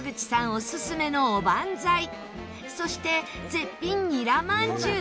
オススメのおばんざいそして絶品ニラまんじゅう。